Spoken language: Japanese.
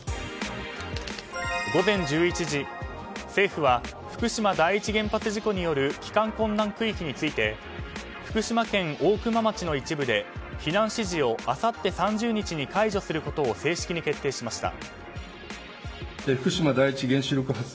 午前１１時政府は福島第一原子力発電所事故による帰還困難区域について福島県大熊町の一部で避難指示をあさって３０日に解除することを正式に決定しました。